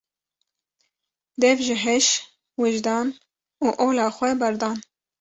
Dev ji heş, wijdan û ola xwe berdan.